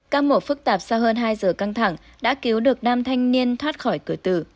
các mổ phức tạp sau hơn hai giờ căng thẳng đã cứu được nam thanh niên thoát khỏi cửa tử